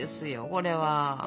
これは。